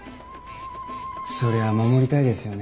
そりゃ守りたいですよね。